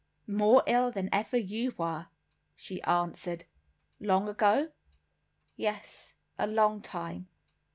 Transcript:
"More ill than ever you were," she answered. "Long ago?" "Yes, a long time.